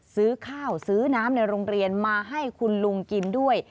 ซื้อข้าวซื้อน้ำในโรงเรียนมาให้คุณลุงกินด้วย